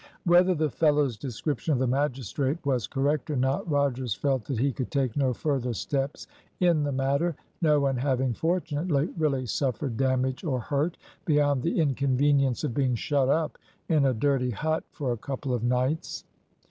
Whether the fellow's description of the magistrate was correct or not, Rogers felt that he could take no further steps in the matter, no one having fortunately really suffered damage or hurt, beyond the inconvenience of being shut up in a dirty hut for a couple of nights.